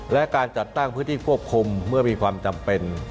และการจัดตั้งพื้นที่ควบคุมเมื่อมีความจำเป็น